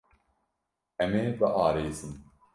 Em ê biarêsin.